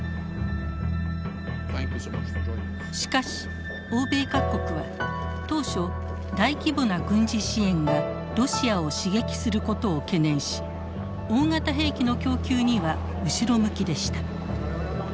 しかし欧米各国は当初大規模な軍事支援がロシアを刺激することを懸念し大型兵器の供給には後ろ向きでした。